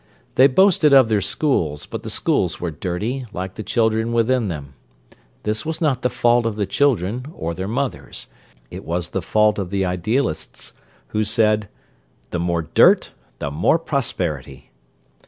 They boasted of their schools, but the schools were dirty, like the children within them. This was not the fault of the children or their mothers. It was the fault of the idealists, who said: "The more dirt, the more prosperity."